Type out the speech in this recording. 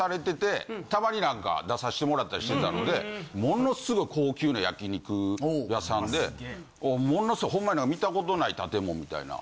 たまに何か出させてもらったりしてたのでものすごい高級な焼肉屋さんでものすごいほんまに見たことない建物みたいな。